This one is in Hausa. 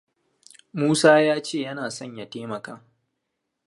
Musa ya ce yana son ya taimaka.